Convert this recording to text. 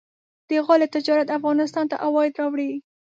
د غالۍ تجارت افغانستان ته عواید راوړي.